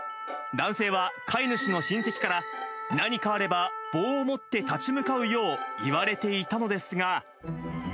男性は、飼い主の親戚から、何かあれば棒を持って立ち向かうよう言われていたのですが。